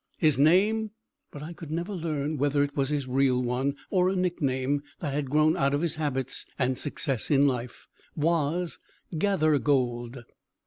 His name but I could never learn whether it was his real one, or a nickname that had grown out of his habits and success in life was Gathergold.